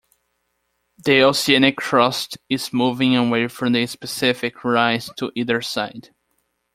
The oceanic crust is moving away from the East Pacific Rise to either side.